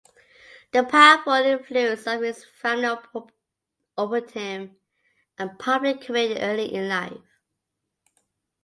The powerful influence of his family opened him a public career early in life.